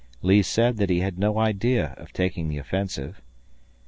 Lee said that he had no idea of taking the offensive.